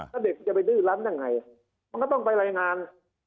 แล้วเด็กจะไปดื้อล้ำยังไงมันก็ต้องไปรายงาน